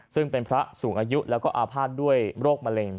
ซึ่งเป็นพระสูงอายุแล้วก็อาภาษณ์ด้วยโรคมะเร็ง